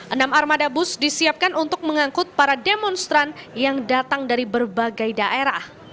enam armada bus disiapkan untuk mengangkut para demonstran yang datang dari berbagai daerah